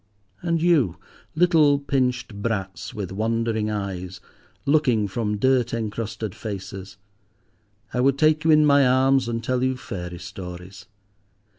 And you, little pinched brats, with wondering eyes, looking from dirt encrusted faces, I would take you in my arms and tell you fairy stories.